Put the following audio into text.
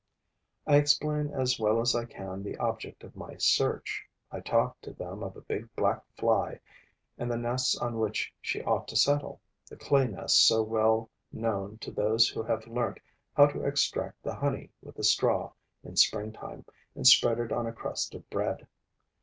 I explain as well as I can the object of my search; I talk to them of a big black Fly and the nests on which she ought to settle, the clay nests so well known to those who have learnt how to extract the honey with a straw in springtime and spread it on a crust of bread.